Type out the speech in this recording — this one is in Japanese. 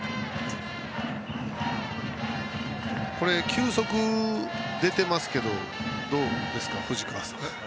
球速が出ていますけどどうですか、藤川さん。